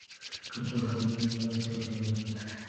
که څوک ناروغ وي مرسته ورسره وکړئ.